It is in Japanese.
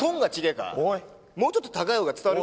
もうちょっと高い方が伝わる？